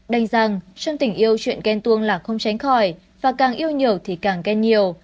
đành rằng trong tình yêu chuyện kèn tuông là không tránh khỏi và càng yêu nhiều thì càng kèn nhiều